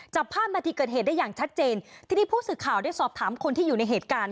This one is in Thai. จับภาพนาทีเกิดเหตุได้อย่างชัดเจนทีนี้ผู้สื่อข่าวได้สอบถามคนที่อยู่ในเหตุการณ์